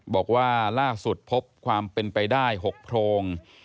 บอกว่าล่าสุดพบความเป็นไปได้๖โพรง